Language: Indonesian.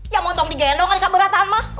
ya montong digendong ada keberatan mah